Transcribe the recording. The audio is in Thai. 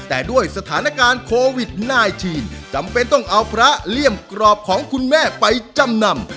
แต่ด้วยสถานการณ์โควิด๑๙จำเป็นต้องเอาพระเลี่ยมกรอบของคุณแม่ไปจำนำ